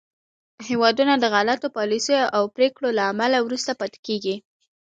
هېوادونه د غلطو پالیسیو او پرېکړو له امله وروسته پاتې کېږي